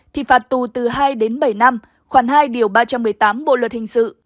thì phạt tù từ hai đến bảy năm khoảng hai điều ba trăm một mươi tám bộ luật hình sự